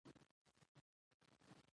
عدالت د ټولنې د باور سرچینه ده.